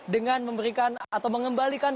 dengan memberikan atau mengembalikan